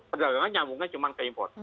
perdagangan nyambungnya cuma ke impor